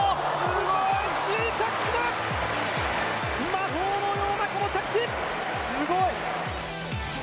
魔法のようなこの着地！